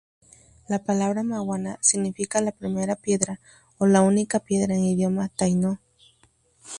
La palabra "maguana" significa ‘la primera piedra’ o ‘la única piedra’ en idioma taíno.